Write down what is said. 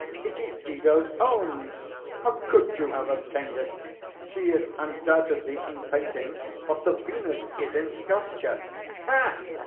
"It is Guido's own!—how could you have obtained it?—she is undoubtedly in painting what the Venus is in sculpture." "Ha!"